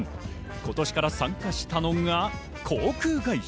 今年から参加したのが航空会社。